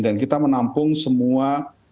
dan kita menampung semua